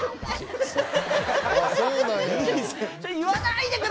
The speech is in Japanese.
「ああそうなんや」